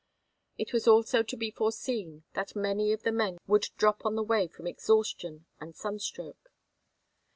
It was also to be foreseen that many of the men would drop on the way from exhaustion and sunstroke.